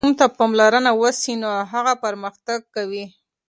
که ماشوم ته پاملرنه وسي نو هغه پرمختګ کوي.